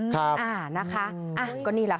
ครับอ่านะคะก็นี่แหละค่ะ